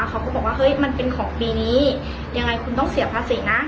เขาก็บอกว่าเฮ้ยมันเป็นของปีนี้ยังไงคุณต้องเสียภาษีนะ